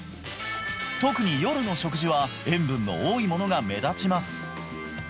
特に夜の食事は塩分の多いものが目立ちます